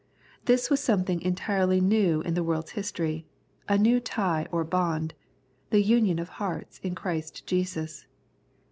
This was something entirely new in the world's history — a new tie or bond, the union of hearts in Christ Jesus.